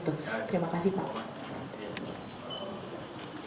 terima kasih pak